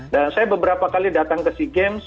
dan saya beberapa kali datang ke sea games